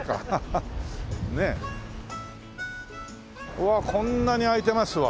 うわこんなに空いてますわ。